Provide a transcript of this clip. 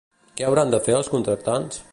Què hauran de fer els contractants?